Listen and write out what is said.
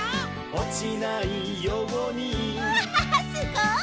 「おちないように」うわすごい！